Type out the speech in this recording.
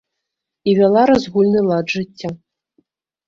І вяла разгульны лад жыцця.